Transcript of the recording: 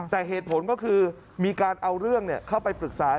แต่เหตุผลก็คือมีการเอาเรื่องเข้าไปปรึกษา